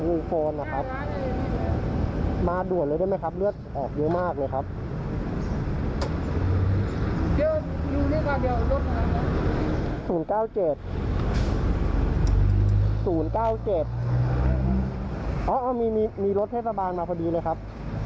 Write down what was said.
สูงเก้าเจ็ดอ๋ออ๋อมีมีมีมีรถเทศบาลมาพอดีเลยครับ